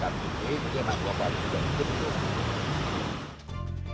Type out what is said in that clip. kemudian aku apalagi sudah ikut